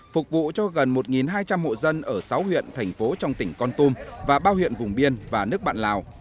phục vụ cho gần một hai trăm linh hộ dân ở sáu huyện thành phố trong tỉnh con tum và bao huyện vùng biên và nước bạn lào